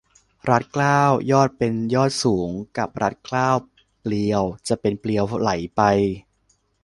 รัดเกล้ายอดเป็นยอดสูง กับรัดเกล้าเปลว จะเป็นเปลวไหลไป